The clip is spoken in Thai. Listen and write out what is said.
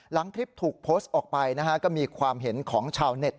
หลังคลิปถูกโพสต์ออกไปนะฮะก็มีความเห็นของชาวเน็ต